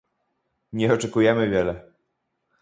Nie oczekujemy wiele